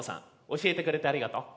教えてくれてありがとう。